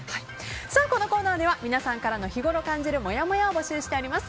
このコーナーでは皆さんからの日ごろ感じるもやもやを募集しております。